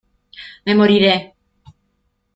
¡ me moriré!...